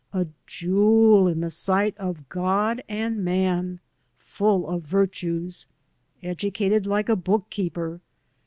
A jewel in the sight of God and man. Pull of virtues. Educated like a bookkeeper.